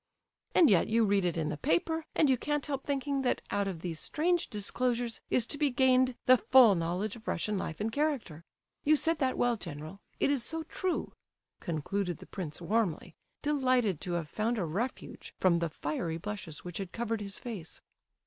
And yet you read it in the paper, and you can't help thinking that out of these strange disclosures is to be gained the full knowledge of Russian life and character. You said that well, general; it is so true," concluded the prince, warmly, delighted to have found a refuge from the fiery blushes which had covered his face.